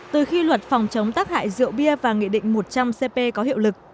từ khi luật phòng chống tác hại rượu bia và nghị định một trăm linh cp có hiệu lực